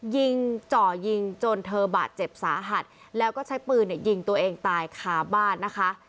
จ่อยิงจนเธอบาดเจ็บสาหัสแล้วก็ใช้ปืนเนี่ยยิงตัวเองตายคาบ้านนะคะ